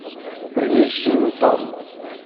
Ur iyi-yejjim Tom.